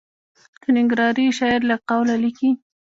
د ننګرهاري شاعر له قوله لیکي.